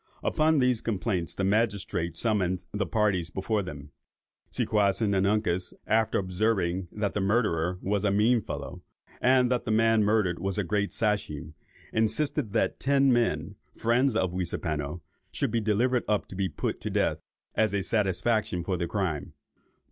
Upon these complaints, the magistrates summoned the parties before them. Seaquassin and Uncas, after observing that the murderer was a mean fellow, and that the man murdered was a great Sachem, insisted that ten men, friends of Weaseapano, should be delivered up to be put to death, as a satisfaction for the crime.